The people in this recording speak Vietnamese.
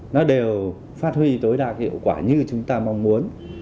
nó đều phát huy tối đa hiệu quả như chúng ta mong muốn